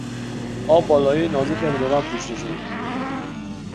آب با لایهی نازکی از روغن پوشیده شده بود.